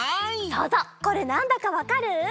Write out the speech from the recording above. そうぞうこれなんだかわかる？